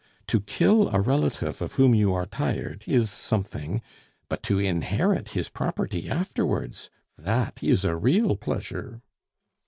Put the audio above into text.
To kill a relative of whom you are tired, is something; but to inherit his property afterwards that is a real pleasure!"